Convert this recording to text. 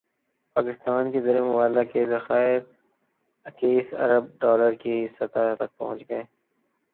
پاکستان کے زرمبادلہ کے ذخائر اکیس ارب ڈالر کی سطح تک پہنچ گئے